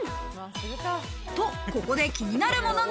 と、ここで気になるものが。